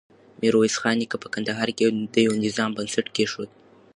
ميرويس خان نيکه په کندهار کې د يوه نظام بنسټ کېښود.